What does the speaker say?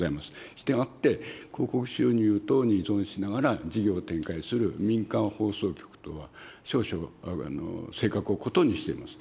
したがって、広告収入等に依存しながら事業を展開する民間放送局とは、少々性格を異にしています。